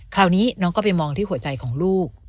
คราวนี้น้องก็ไปมองที่หัวใจของลูก